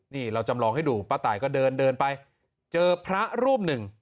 นี่เราจำลองให้ดูป้าตายก็เดินเดินไปเจอพระรูปหนึ่ง